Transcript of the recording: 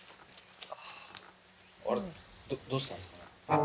どうしたんですかね？